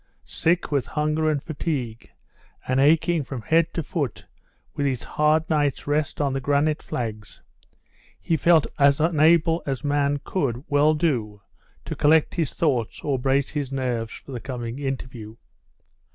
Sick with hunger and fatigue, and aching from head to foot with his hard night's rest on the granite flags, he felt as unable as man could well do to collect his thoughts or brace his nerves for the coming interview.